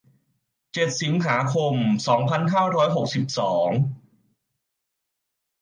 เจ็ด สิงหาคม สองพันห้าร้อยหกสิบสอง